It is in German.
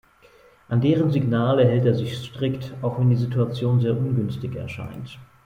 An deren Signale hält er sich strikt, auch wenn die Situation sehr ungünstig erscheint.